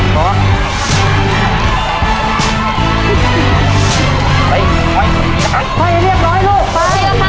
สามละ